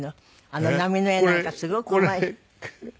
あの波の絵なんかすごくうまい。